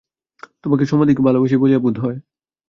তোমাকে সমধিক ভালবাসি বলিয়া বোধ হয়।